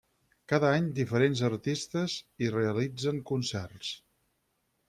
Cada any diferents artistes hi realitzen concerts.